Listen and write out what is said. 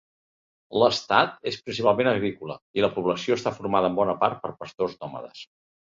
L'estat és principalment agrícola i la població està formada en bona part per pastors nòmades.